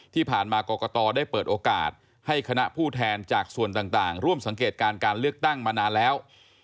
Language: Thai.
ที่ผ่านมากรกตได้เปิดโอกาสให้คณะผู้แทนจากส่วนต่างร่วมสังเกตการการเลือกตั้งมานานแล้ว